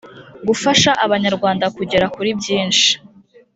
gufasha abanyarwanda kugera kuri byinshi